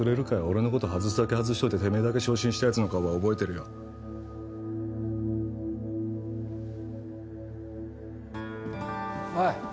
俺のこと外すだけ外しといててめえだけ昇進したやつの顔は覚えてるよおい